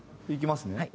いきますね。